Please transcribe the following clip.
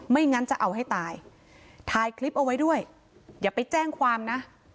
งั้นจะเอาให้ตายถ่ายคลิปเอาไว้ด้วยอย่าไปแจ้งความนะ